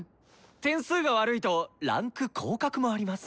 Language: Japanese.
点数が悪いと位階降格もあります。